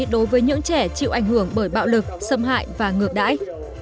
đối với những trẻ chịu ảnh hưởng bởi bạo lực xâm hại và ngược đãi